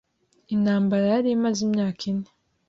Intambara yari imaze imyaka ine.